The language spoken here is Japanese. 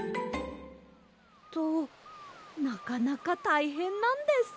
となかなかたいへんなんです。